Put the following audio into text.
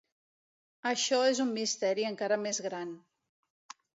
Això és un misteri encara més gran.